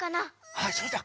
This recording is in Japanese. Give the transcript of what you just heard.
ああそうだ。